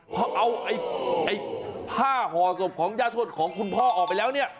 เพราะเอาผ้าห่อสมของญาติทวดของคุณพ่อออกไปแล้ว